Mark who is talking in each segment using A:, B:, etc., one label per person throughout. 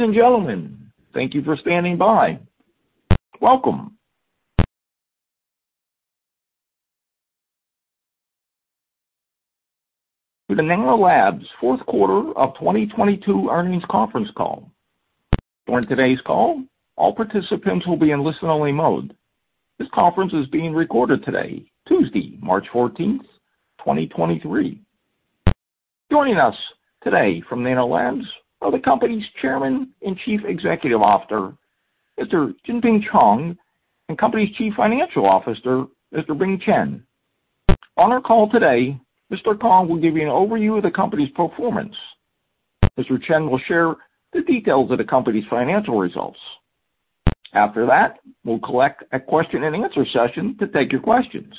A: Ladies and gentlemen, thank you for standing by. Welcome to the Nano Labs Q4 of 2022 earnings conference call. During today's call, all participants will be in listen-only mode. This conference is being recorded today, Tuesday, March 14th, 2023. Joining us today from Nano Labs are the company's Chairman and Chief Executive Officer, Mr. Jianping Kong, and company's Chief Financial Officer, Mr. Bing Chen. On our call today, Mr. Kong will give you an overview of the company's performance. Mr. Chen will share the details of the company's financial results. After that, we'll collect a question and answer session to take your questions.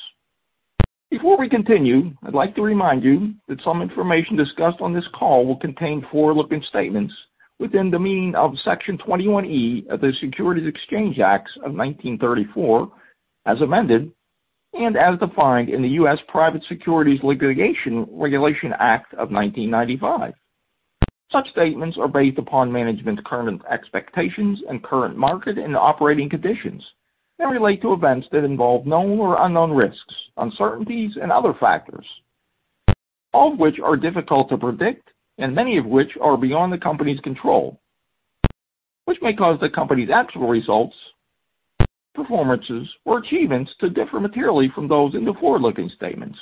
A: Before we continue, I'd like to remind you that some information discussed on this call will contain forward-looking statements within the meaning of Section 21E of the Securities Exchange Act of 1934 as amended, and as defined in the U.S. Private Securities Litigation Reform Act of 1995. Such statements are based upon management's current expectations and current market and operating conditions that relate to events that involve known or unknown risks, uncertainties and other factors, all of which are difficult to predict and many of which are beyond the company's control, which may cause the company's actual results, performances, or achievements to differ materially from those in the forward-looking statements.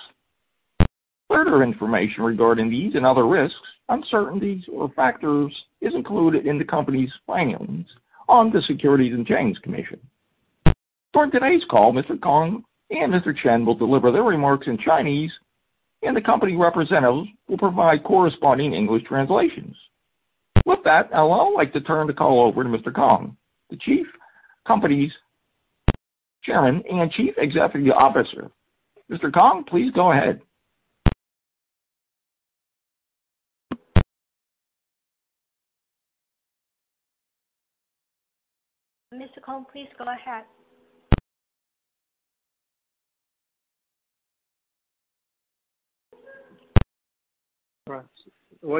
A: Further information regarding these and other risks, uncertainties, or factors is included in the company's filings on the Securities and Exchange Commission. During today's call, Mr. Kong and Mr. Chen will deliver their remarks in Chinese, and the company representatives will provide corresponding English translations. With that, I would like to turn the call over to Mr. Kong, the company's chairman and Chief Executive Officer. Mr. Kong, please go ahead.
B: Well,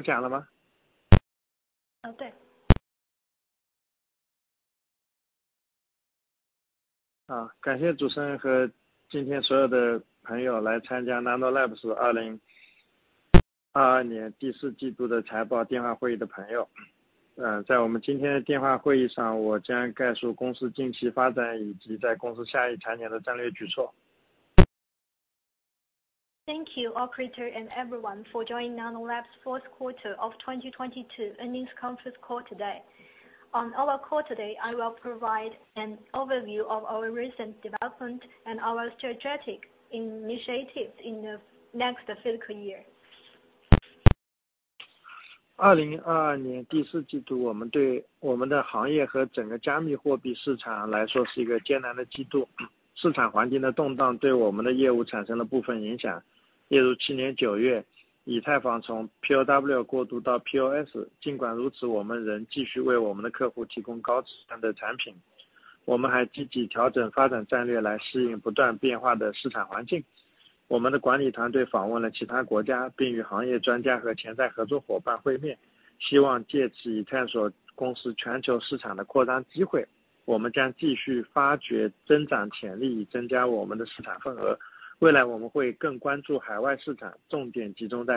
B: thank you, operator, and everyone for joining Nano Labs Q4 of 2022 earnings conference call today. On our call today, I will provide an overview of our recent development and our strategic initiatives in the next fiscal year. The Q4 of 2022 was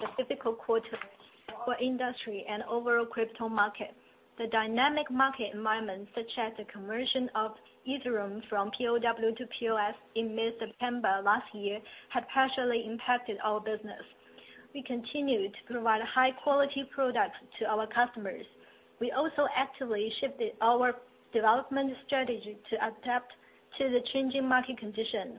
B: a difficult quarter for industry and overall crypto market. The dynamic market environment, such as the conversion of Ethereum from PoW to PoS in mid-September last year, had partially impacted our business. We continued to provide high-quality products to our customers. We also actively shifted our development strategy to adapt to the changing market conditions.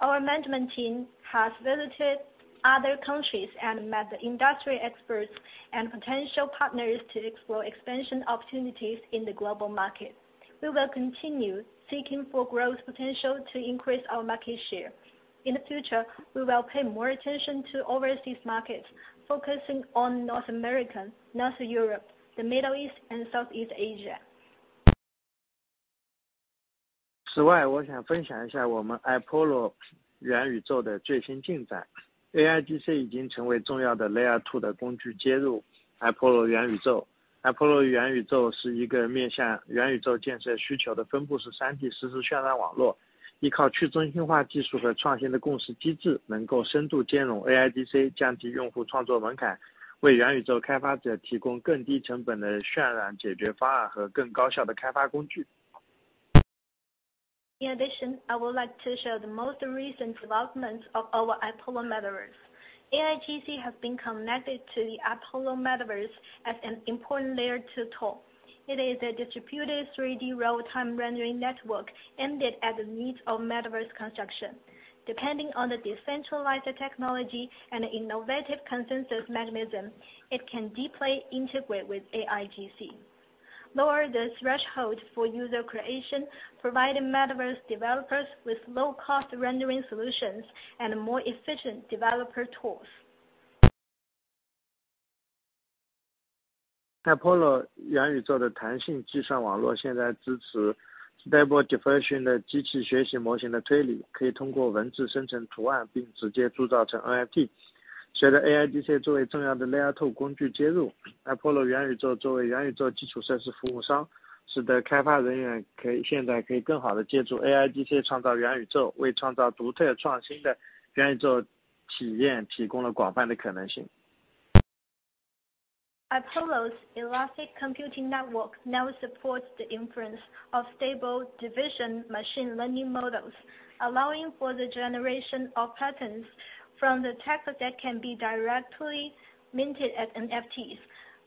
B: Our management team has visited other countries and met the industry experts and potential partners to explore expansion opportunities in the global market. We will continue seeking for growth potential to increase our market share. In the future, we will pay more attention to overseas markets, focusing on North America, North Europe, the Middle East and Southeast Asia. I would like to share the most recent developments of our iPollo Metaverse. AIGC has been connected to the iPollo Metaverse as an important layer tool. It is a distributed 3D real-time rendering network aimed at the needs of Metaverse construction. Depending on the decentralized technology and innovative consensus mechanism, it can deeply integrate with AIGC. Lower the threshold for user creation, providing Metaverse developers with low-cost rendering solutions and more efficient developer tools. iPollo's elastic computing network now supports the influence of Stable Diffusion machine learning models, allowing for the generation of patterns from the tackle that can be directly minted at NFTs.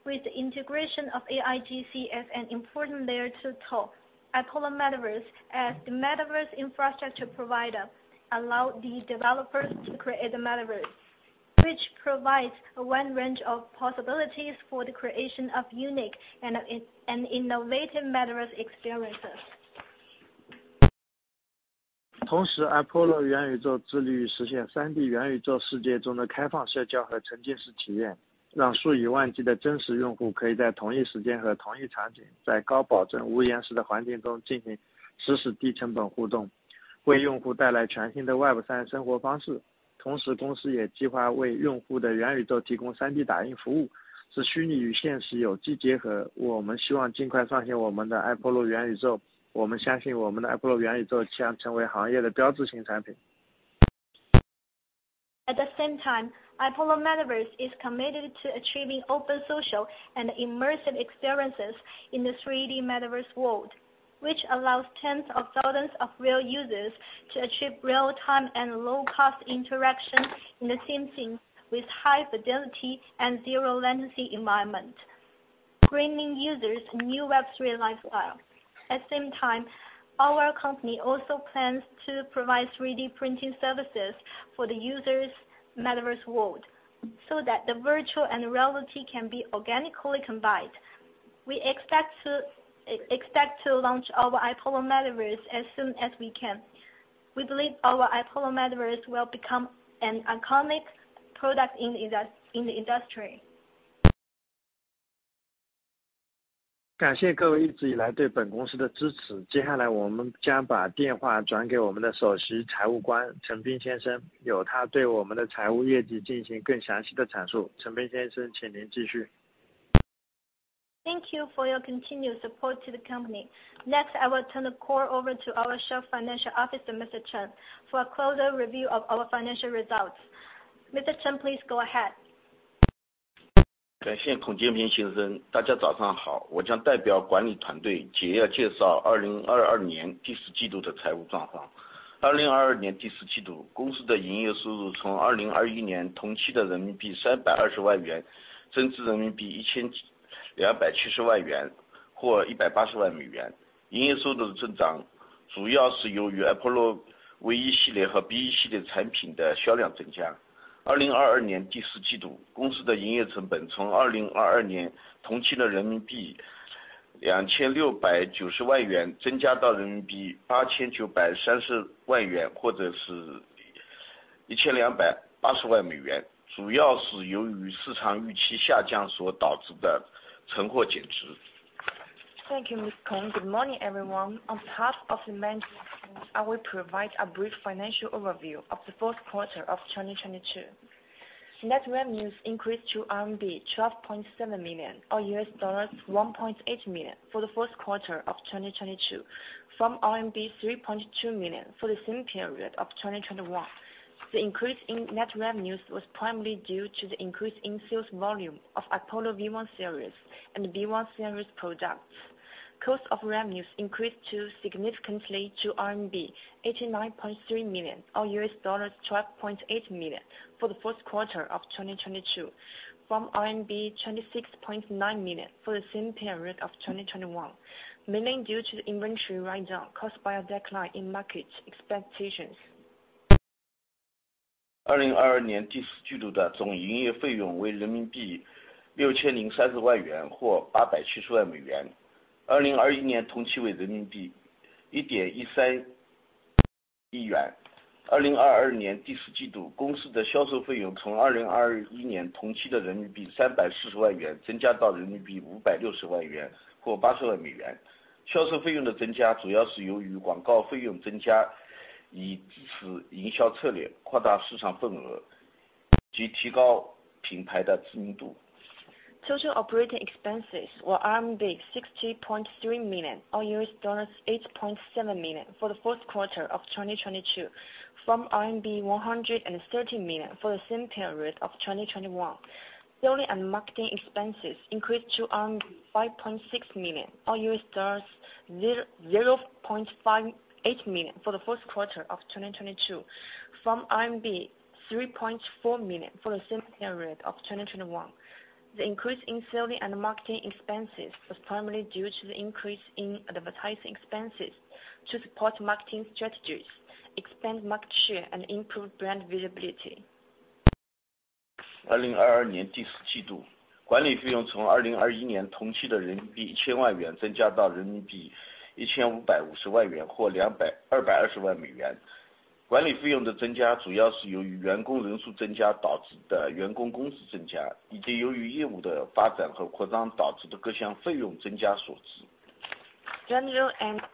B: With the integration of AIGC as an important layer tool, iPollo Metaverse as the Metaverse infrastructure provider allow these developers to create the Metaverse, which provides a wide range of possibilities for the creation of unique and innovative Metaverse experiences. At the same time, iPollo Metaverse is committed to achieving open social and immersive experiences in the 3D Metaverse world, which allows tens of thousands of real users to achieve real time and low cost interaction in the same scene with high fidelity and zero latency environment, bringing users new Web3 lifestyle. At the same time, our company also plans to provide 3D printing services for the users' Metaverse world so that the virtual and reality can be organically combined. We expect to launch our iPollo Metaverse as soon as we can. We believe our iPollo Metaverse will become an iconic product in the industry. Thank you for your continued support to the company. Next, I will turn the call over to our Chief Financial Officer, Mr. Chen, for a closer review of our financial results. Mr. Chen, please go ahead. Thank you, Mr. Kong. Good morning everyone. On behalf of the management team, I will provide a brief financial overview of the Q4 of 2022. Net revenues increased to RMB 12.7 million or $1.8 million for the Q4 of 2022 from RMB 3.2 million for the same period of 2021. The increase in net revenues was primarily due to the increase in sales volume of iPollo V1 series and B1 series products. Cost of revenues increased significantly to RMB 89.3 million or $12.8 million for the Q4 of 2022 from RMB 26.9 million for the same period of 2021, mainly due to the inventory write-down caused by a decline in market expectations. Total operating expenses were RMB 60.3 million or $8.7 million for the Q4 of 2022 from RMB 130 million for the same period of 2021. Selling and marketing expenses increased to 5.6 million or $0.58 million for the Q4 of 2022 from RMB 3.4 million for the same period of 2021. The increase in selling and marketing expenses was primarily due to the increase in advertising expenses to support marketing strategies, expand market share, and improve brand visibility. General and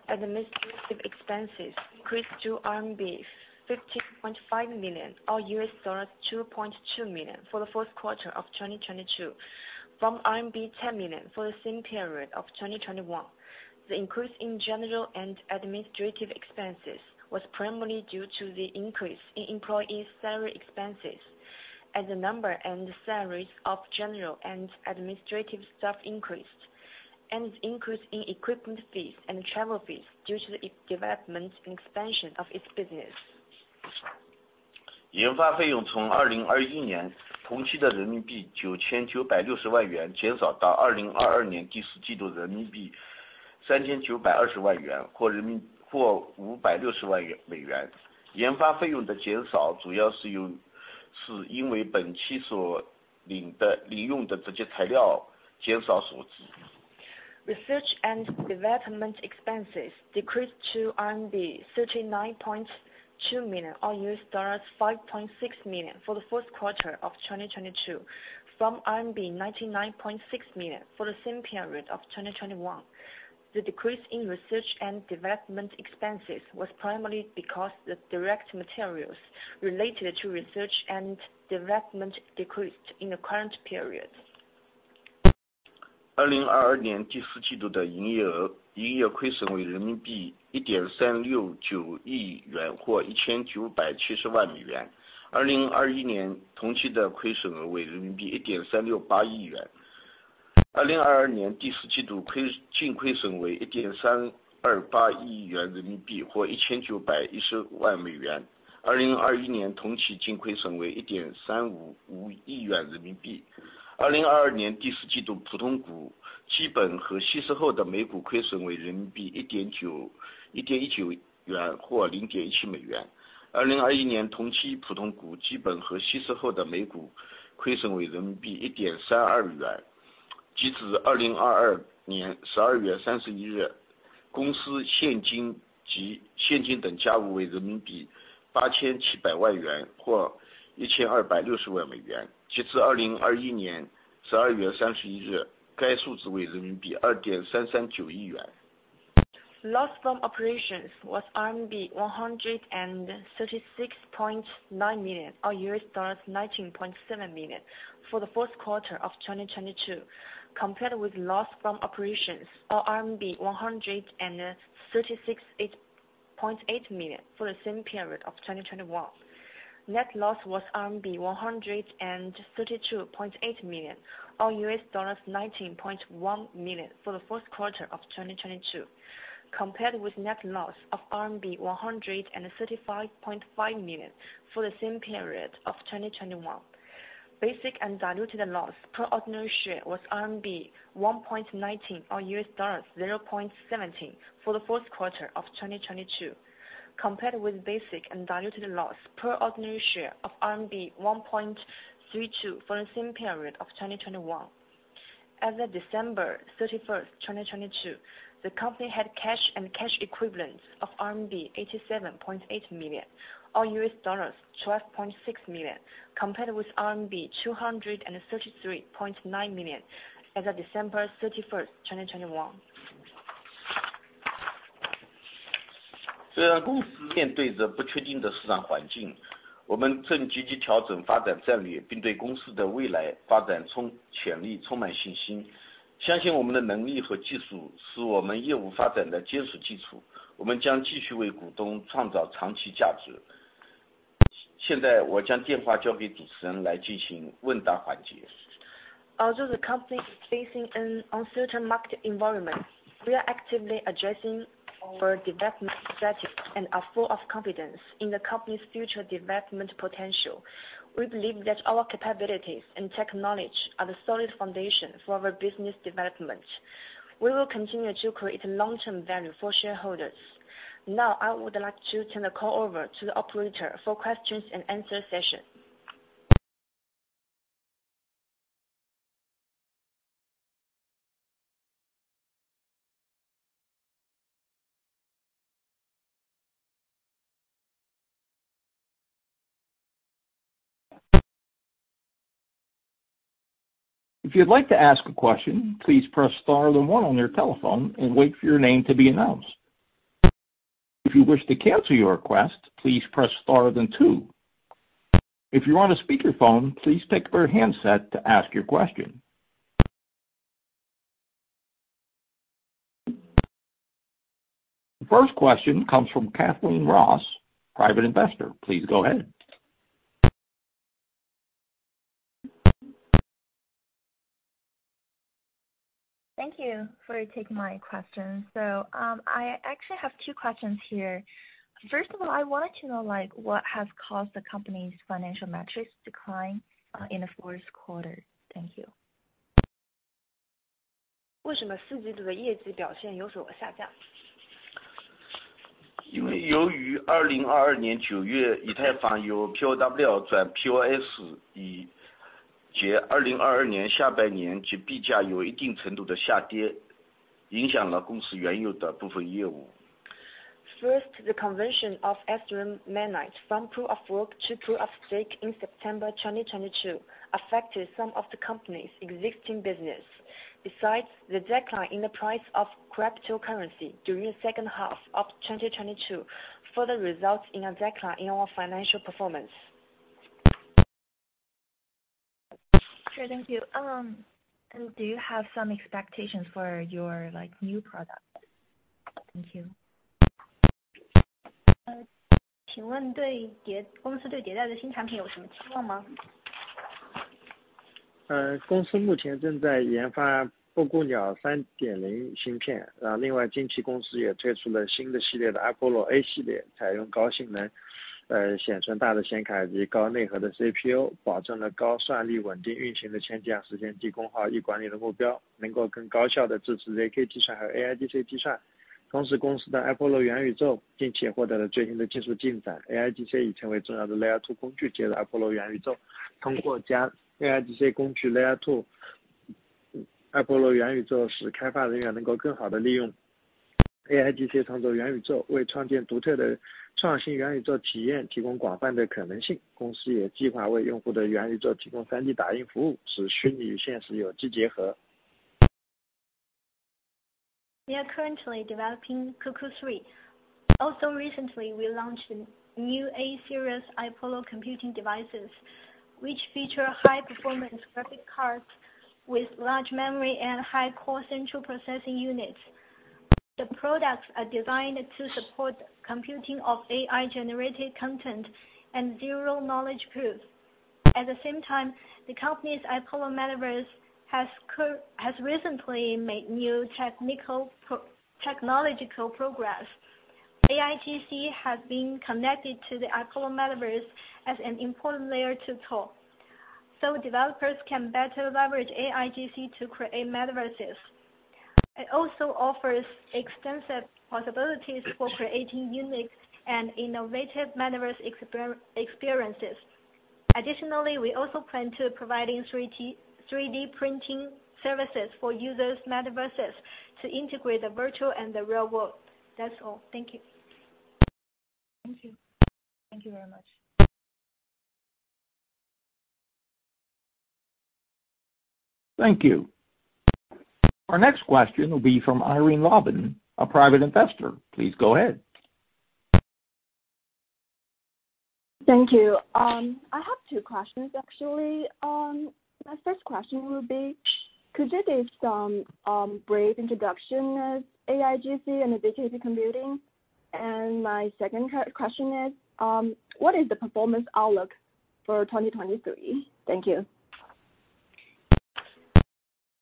B: administrative expenses increased to RMB 50.5 million or $2.2 million for the Q4 of 2022 from RMB 10 million for the same period of 2021. The increase in general and administrative expenses was primarily due to the increase in employee salary expenses as the number and salaries of general and administrative staff increased, and increase in equipment fees and travel fees due to the development and expansion of its business. Research and development expenses decreased to RMB 39.2 million or $5.6 million for the Q4 of 2022 from RMB 99.6 million for the same period of 2021. The decrease in research and development expenses was primarily because the direct materials related to research and development decreased in the current period. Loss from operations was RMB 136.9 million or $19.7 million for the Q4 of 2022, compared with loss from operations of RMB 136.8 million for the same period of 2021. Net loss was RMB 132.8 million or $19.1 million for the Q4 of 2022, compared with net loss of RMB 135.5 million for the same period of 2021. Basic and diluted loss per ordinary share was RMB 1.19 or $0.17 for the Q4 of 2022, compared with basic and diluted loss per ordinary share of RMB 1.32 for the same period of 2021.
C: As of December 31st, 2022, the company had cash and cash equivalents of RMB 87.8 million or $12.6 million compared with RMB 233.9 million as of December 31st, 2021.
B: Although the company is facing an uncertain market environment, we are actively adjusting our development strategy and are full of confidence in the company's future development potential. We believe that our capabilities and technology are the solid foundation for our business development. We will continue to create long-term value for shareholders. Now I would like to turn the call over to the operator for questions and answer session.
A: If you'd like to ask a question, please press star then one on your telephone and wait for your name to be announced. If you wish to cancel your request, please press star then two. If you're on a speakerphone, please pick up your handset to ask your question. First question comes from Kathleen Ross, private investor. Please go ahead.
D: Thank you for taking my question. I actually have two questions here. First of all, I want to know, like what has caused the company's financial metrics decline in the Q4? Thank you.
B: First, the conversion of Ethereum mainnet from Proof of Work to Proof of Stake in September 2022 affected some of the company's existing business. Besides the decline in the price of cryptocurrency during the second half of 2022 further results in a decline in our financial performance.
D: Sure. Thank you. Do you have some expectations for your like new product? Thank you.
B: We are currently developing Cuckoo3. Recently, we launched new A-series iPollo computing devices, which feature high performance graphic cards with large memory and high core central processing units. The products are designed to support computing of AI generated content and Zero-knowledge proof. At the same time, the company's iPollo Metaverse has recently made new technological progress. AIGC has been connected to the iPollo Metaverse as an important layer tool, so developers can better leverage AIGC to create metaverses. It also offers extensive possibilities for creating unique and innovative metaverse experiences. Additionally, we also plan to providing 3D printing services for users metaverses to integrate the virtual and the real world. That's all. Thank you.
D: Thank you. Thank you very much.
A: Thank you. Our next question will be from Irene Lobban, a private investor. Please go ahead.
E: Thank you. I have two questions actually. My first question would be, could you give some brief introduction as AIGC and ZKP computing? My second question is, what is the performance outlook for 2023? Thank you.
B: AIGC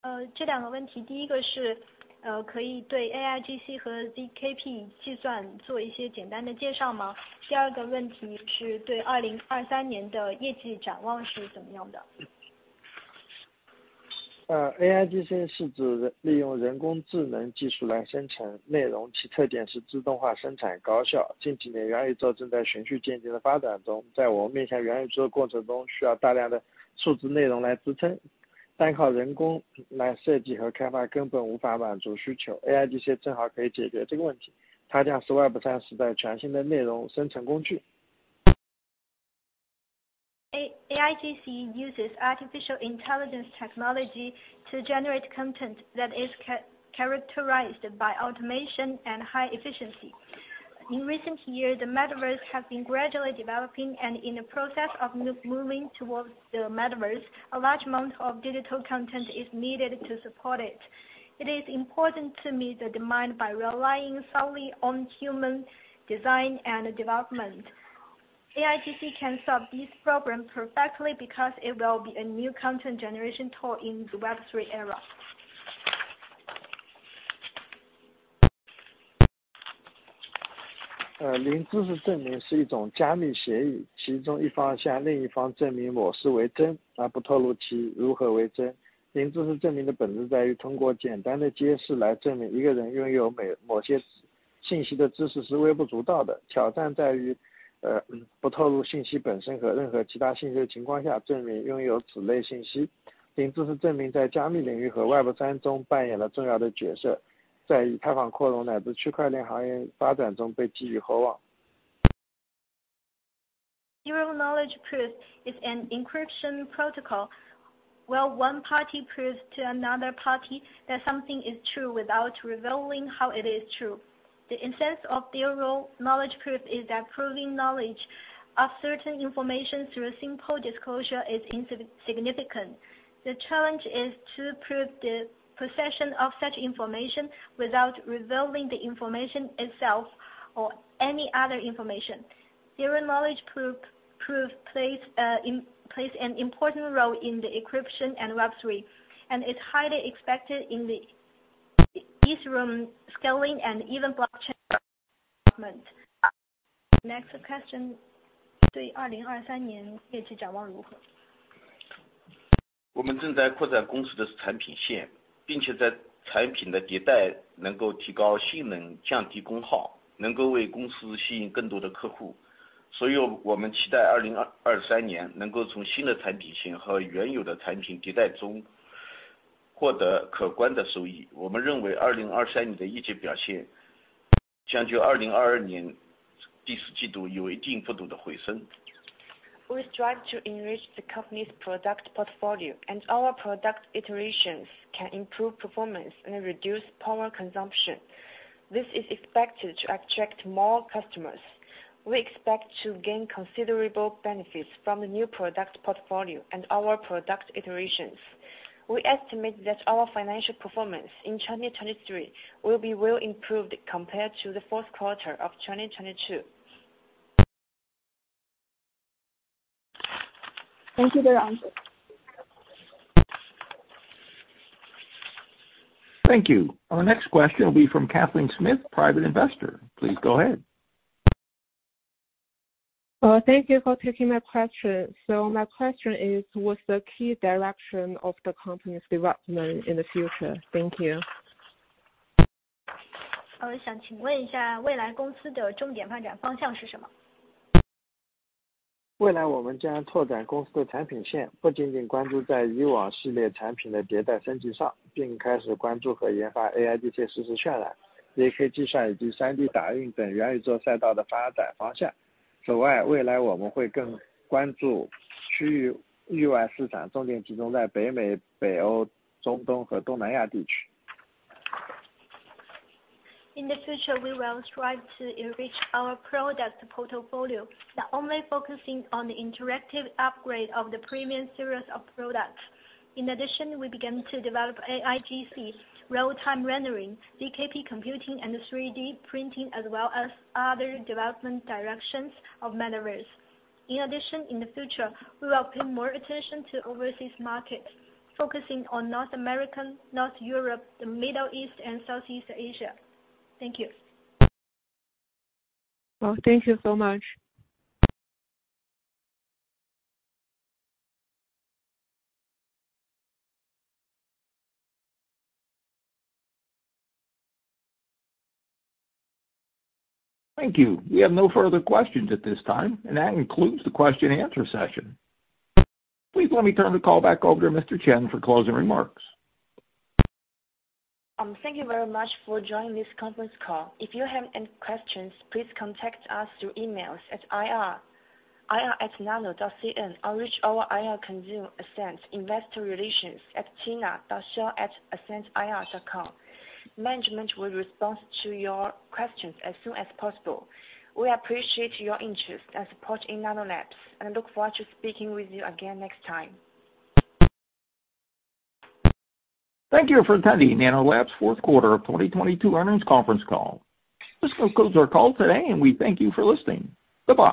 B: uses artificial intelligence technology to generate content that is characterized by automation and high efficiency. In recent years, the metaverse has been gradually developing and in the process of moving towards the metaverse, a large amount of digital content is needed to support it. It is important to meet the demand by relying solely on human design and development. AIGC can solve this problem perfectly because it will be a new content generation tool in the Web3 era. Zero-knowledge proof is an encryption protocol where one party proves to another party that something is true without revealing how it is true. The essence of Zero-knowledge proof is that proving knowledge of certain information through a simple disclosure is insignificant. The challenge is to prove the possession of such information without revealing the information itself or any other information. Zero-knowledge proof plays an important role in the encryption and Web3, and is highly expected in the Ethereum scaling and even blockchain development. Next question. We strive to enrich the company's product portfolio, and our product iterations can improve performance and reduce power consumption. This is expected to attract more customers. We expect to gain considerable benefits from the new product portfolio and our product iterations. We estimate that our financial performance in 2023 will be well improved compared to the Q4 of 2022.
E: Thank you very much.
A: Thank you. Our next question will be from Kathleen Smith, private investor. Please go ahead.
F: Thank you for taking my question. My question is, what's the key direction of the company's development in the future? Thank you.
B: In the future, we will strive to enrich our product portfolio, not only focusing on the interactive upgrade of the premium series of products. We began to develop AIGC, real-time rendering, ZKP computing, and 3D printing, as well as other development directions of Metaverse. In the future, we will pay more attention to overseas markets, focusing on North American, North Europe, the Middle East and Southeast Asia. Thank you.
F: Well, thank you so much.
A: Thank you. We have no further questions at this time, and that concludes the question answer session. Please let me turn the call back over to Mr. Chen for closing remarks.
B: Thank you very much for joining this conference call. If you have any questions, please contact us through emails at ir@nano.cn or reach our IR Console Ascent investorrelations@china.share@ascendir.com. Management will respond to your questions as soon as possible. We appreciate your interest and support in Nano Labs and look forward to speaking with you again next time.
A: Thank you for attending Nano Labs Q4 of 2022 earnings conference call. This concludes our call today, we thank you for listening. Goodbye.